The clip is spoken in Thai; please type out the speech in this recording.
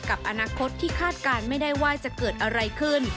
กับอนาคตที่คาดการณ์ไม่ได้ว่าจะเกิดอะไรขึ้น